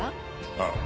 ああ。